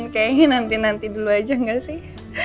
kayaknya nanti nanti dulu aja gak sih